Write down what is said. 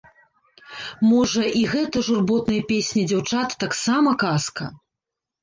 Можа, і гэта журботная песня дзяўчат таксама казка?